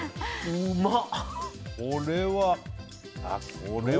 うまっ！